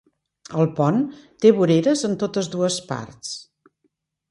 El pont té voreres en totes dues parts.